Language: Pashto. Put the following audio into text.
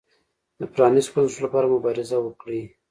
د پرانیستو بنسټونو لپاره مبارزه وکړي.